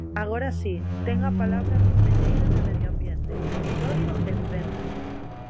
Agora si, ten a palabra a conselleira de Medio Ambiente, Territorio e Vivenda.